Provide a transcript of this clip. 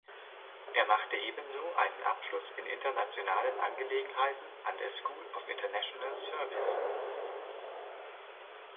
Er machte ebenso einen Abschluss in Internationalen Angelegenheiten an der School of International Service.